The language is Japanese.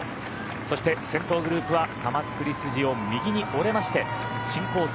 そして先頭グループは玉造筋を右に折れまして新コース